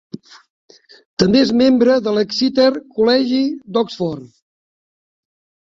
També és membre de l'Exeter College d'Oxford.